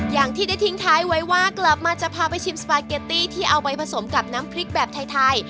อย่างที่ได้ทิ้งท้ายไว้ว่ากลับมาจะพาไปชิมสปาเกตตี้ที่เอาไปผสมกับน้ำพริกแบบไทย